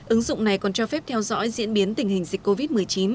ứng dụng này còn cho phép theo dõi diễn biến tình hình dịch covid một mươi chín